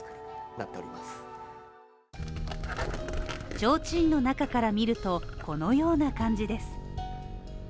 ちょうちんの中から見ると、このような感じです。